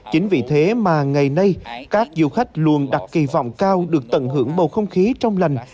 chính vì thế mà ngày nay các du khách luôn đặt kỳ vọng cao được tận hưởng bầu không khí trong lành